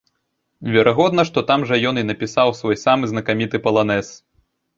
Верагодна, што там жа ён і напісаў свой самы знакаміты паланэз!